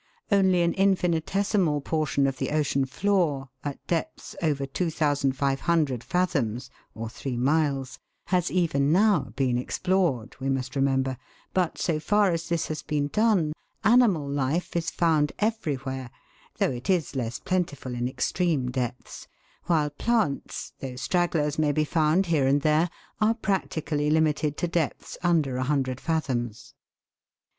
Only an infinitesimal portion of the ocean floor, at depths over 2,500 fathoms,* has even now been explored, we must remember; but so far as this has been done, animal life is found everywhere though it is less plentiful in extreme depths while plants, though stragglers may be found here and there, are prac tically limited to depths under 100 fathoms.